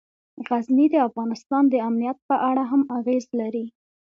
غزني د افغانستان د امنیت په اړه هم اغېز لري.